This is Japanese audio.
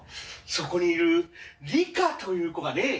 そこにいるリカという子がね